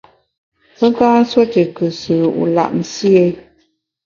Pe nka nsuo tù kùsù wu lap nsié ?